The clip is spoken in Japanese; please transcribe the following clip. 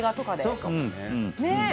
そうかもね。